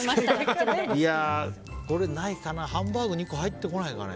これないかなハンバーグ２個入ってこないかね。